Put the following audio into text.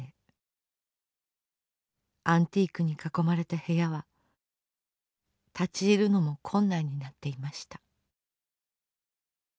アンティークに囲まれた部屋は立ち入るのも困難になっていました。